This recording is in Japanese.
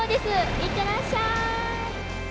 行ってらっしゃい。